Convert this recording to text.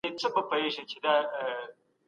که امنيت تامين سي نو بهرني پانګوال به پانګونه وکړي.